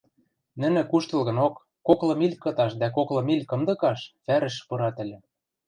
нӹнӹ куштылгынок коклы миль кыташ дӓ коклы миль кымдыкаш вӓрӹш пырат ыльы.